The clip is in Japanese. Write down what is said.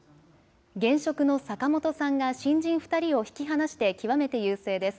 現職の坂本さんが新人２人を引き離して極めて優勢です。